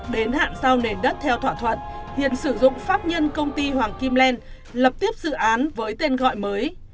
đến hạn sau nền đất theo thỏa thuận hiền sử dụng pháp nhân công ty hoàng kim len lập tiếp dự án với tên gọi mới